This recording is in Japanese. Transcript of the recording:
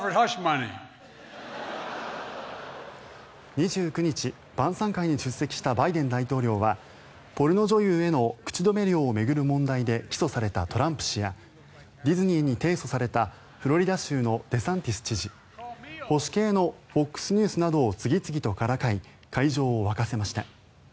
２９日晩さん会に出席したバイデン大統領はポルノ女優への口止め料を巡る問題で起訴されたトランプ氏やディズニーに提訴されたフロリダ州のデサンティス知事保守系のＦＯＸニュースなどを次々とからかい会場を沸かせました。